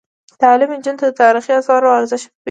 تعلیم نجونو ته د تاریخي اثارو ارزښت ور پېژني.